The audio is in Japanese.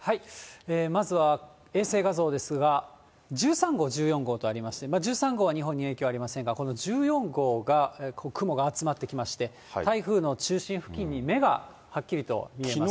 まずは衛星画像ですが、１３号、１４号とありまして、１３号は日本に影響ありませんが、この１４号が、雲が集まってきまして、台風の中心付近に目がはっきりと見えます。